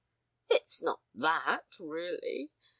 "It's not that really.